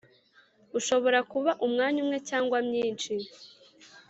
ushobora kuba umwanya umwe cyangwa myinshi,